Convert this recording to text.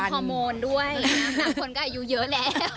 เป็นเรื่องของคอมโมนด้วยนะหลังคนก็อายุเยอะแล้ว